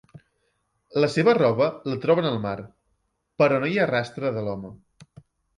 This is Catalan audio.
La seva roba la troben al mar, però no hi ha rastre de l'home.